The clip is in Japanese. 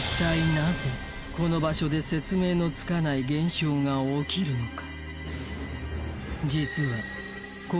なぜこの場所で説明のつかない現象が起きるのか？